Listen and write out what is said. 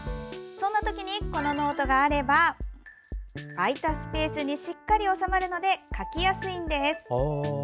そんなときにこのノートがあれば空いたスペースにしっかり収まるので書きやすいんです。